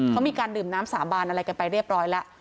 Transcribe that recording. เขามีการดื่มน้ำสาบานอะไรกันไปเรียบร้อยแล้ว